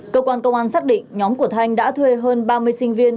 cơ quan công an xác định nhóm của thanh đã thuê hơn ba mươi sinh viên